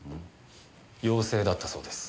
陽性だったそうです。